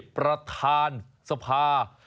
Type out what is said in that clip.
ประธานสภา